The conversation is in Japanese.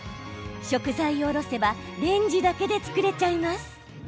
食材をおろせばレンジだけで作れちゃいます。